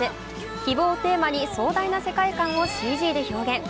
希望をテーマに、壮大な世界観をＣＧで表現。